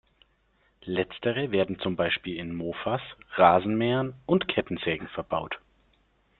Letztere werden zum Beispiel in Mofas, Rasenmähern und Kettensägen verbaut.